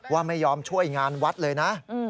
ว่าไม่ยอมช่วยงานวัดเลยนะ